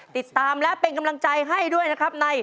ติดตามและเป็นกำลังใจให้ด้วยนะครับใน